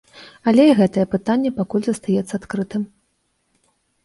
Але і гэтае пытанне пакуль застаецца адкрытым.